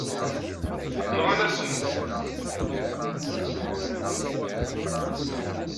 Nɣan-asen-t.